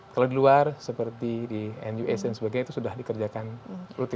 kalau di luar seperti di nus dan sebagainya itu sudah dikerjakan rutin